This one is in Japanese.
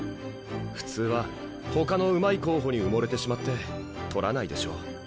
普通はほかのうまい候補に埋もれてしまって獲らないでしょう。